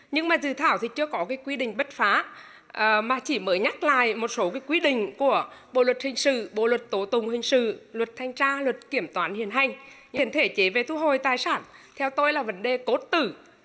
nhưng mà dự thảo thì chưa có quy định bất phá mà chỉ mới nhắc lại một số quy định của bộ luật hình sự bộ luật tố tụng hình sự luật thanh tra luật kiểm toán hiện hành hiện thể chế về thu hồi tài sản theo tôi là vấn đề cốt tử